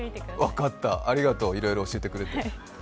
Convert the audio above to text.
分かった、ありがとう、いろいろ教えてくれて。